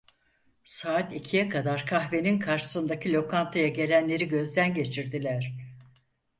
Saat ikiye kadar kahvenin karşısındaki lokantaya gelenleri gözden geçirdiler.